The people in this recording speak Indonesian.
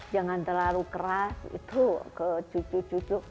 jangan terlalu keras itu ke cucu cucu